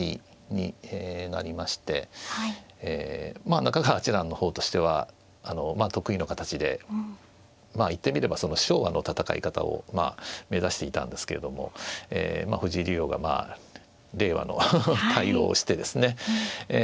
中川八段の方としては得意の形でまあ言ってみればその昭和の戦い方を目指していたんですけれどもまあ藤井竜王が令和の対応をしてですねええ